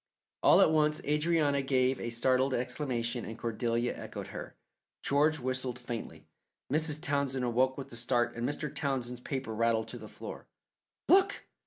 All at once Adrianna gave a startled exclamation and Cordelia echoed her. George whistled faintly. Mrs. Townsend awoke with a start and Mr. Townsend's paper rattled to the floor. "Look!"